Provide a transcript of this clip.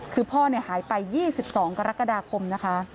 คือพ่อหายไป๒๒กรกฎาคมนะคะ